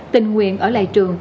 tình nguyện ở lại trường